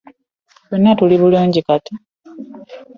Ffenna tuli bulungi Kati